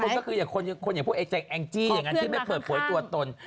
สิบเอ็ดคนก็คือคนอย่างพวกเอ็กซ์แจงแอลล์จี้อย่างงั้นที่ไม่เปิดโผยตัวตน